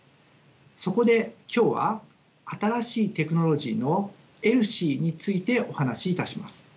そこで今日は新しいテクノロジーのＥＬＳＩについてお話しいたします。